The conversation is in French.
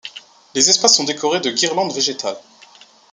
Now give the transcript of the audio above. Les espaces sont décorés de guirlandes végétales.